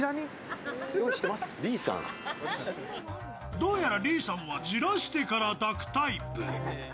どうやら李さんはじらしてから抱くタイプ。